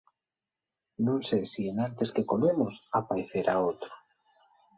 Nun sé si enantes que colemos apaecerá otru.